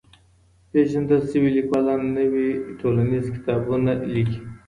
پېژندل سوي ليکوالان نوي ټولنيز کتابونه ليکي.